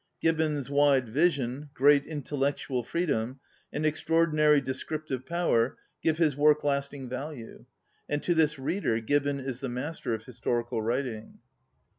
Gibbon's wide vision, great intellectual freedom, and ex traordinary descriptive power give his work lasting value, and to this reader Gibbon is the master of his torical writing.